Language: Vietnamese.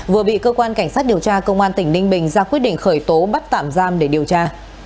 vừa bị cơ quan cảnh sát điều tra công an tỉnh ninh bình ra quyết định khởi tố bắt tạm giam để điều tra